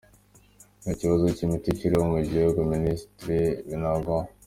“Nta kibazo cy’imiti kiriho mu gihugu” -Minisitiri Binagwaho